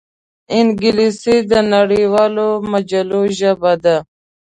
انګلیسي د نړیوالو مجلو ژبه ده